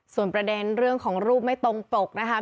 ส่วนประเด็นเรื่องของรูปไม่ตรงปกนะคะ